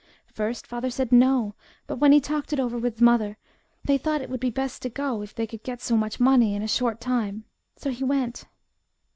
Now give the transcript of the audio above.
First father said no, but when he talked it over with mother, they, thought it would be best to go, if they could get so much money in a short time, so he went."